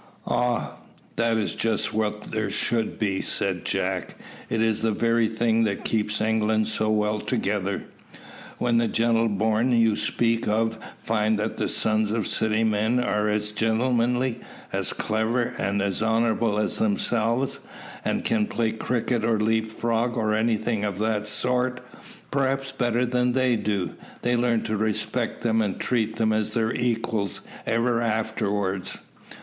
"Ah! that is just what there should be," said Jack. "It is the very thing that keeps England so well together. When the gentle born you speak of find that the sons of city men are as gentlemanly, as clever, and as honourable as themselves, and can play cricket or leapfrog, or anything of that sort, perhaps better than they do, they learn to respect them, and treat them as their equals ever afterwards.